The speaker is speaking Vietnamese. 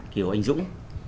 kiều anh dũng